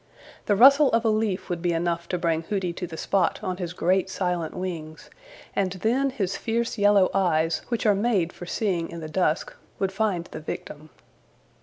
The rustle of a leaf would be enough to bring Hooty to the spot on his great silent wings, and then his fierce yellow eyes, which are made for seeing in the dusk, would find the victim.